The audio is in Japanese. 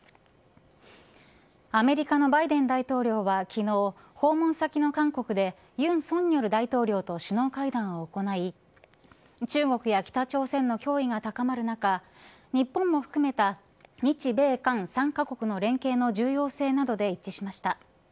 アメリカのバイデン大統領は昨日訪問先の韓国で尹錫悦大統領と首脳会談を行い中国や北朝鮮の脅威が高まる中日本も含めた日米韓３カ国の連携の重要性などで一致しました。